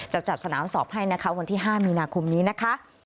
จะจัดสนามสอบให้นะคะวันที่๕มีนาคมนี้นะคะ